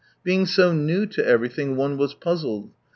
Being so new to everything one was puzzled.